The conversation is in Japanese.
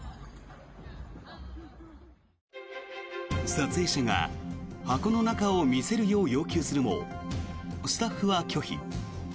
撮影者が箱の中を見せるよう要求するもスタッフは拒否。